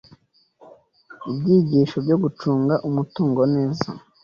Ibyigisho byo gucunga umutungo neza